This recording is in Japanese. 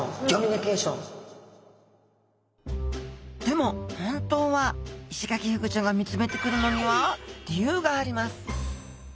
でも本当はイシガキフグちゃんが見つめてくるのには理由があります